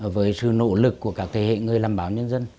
với sự nỗ lực của các thế hệ người làm báo nhân dân